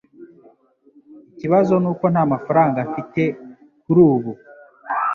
Ikibazo nuko ntamafaranga mfite kuri ubu.